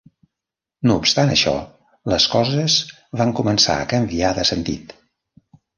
No obstant això, les coses van començar a canviar de sentit.